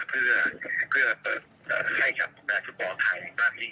เพื่อให้กับแมสปอร์ทัง